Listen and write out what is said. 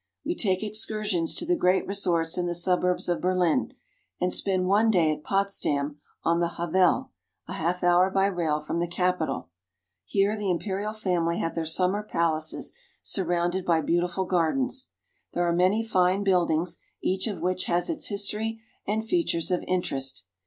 We take excursions to the great resorts in the suburbs of Berlin, and spend one day at Potsdam on the Havel, a HOW GERMANY IS GOVERNED. 221 half hour by rail from the capital. Here the imperial family have their summer palaces surrounded by beautiful gardens. There are many fine buildings, each of which has its history and features of interest.